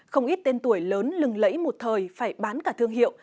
không ít tên tuổi lớn lừng lẫy một thời phải bán cả thương hiệu